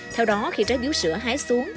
theo đó khi trái dũ sữa hái xuống